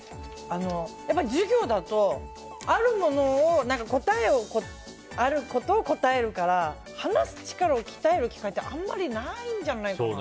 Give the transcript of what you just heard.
授業だと答えがあるものを答えるから話す力を鍛える機会ってあんまりないんじゃないかなと。